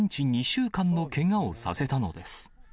２週間のけがをさせたのです。